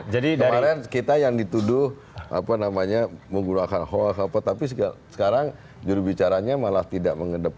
kemarin kita yang dituduh apa namanya menggunakan hoax apa tapi sekarang jurubicaranya malah tidak mengenai itu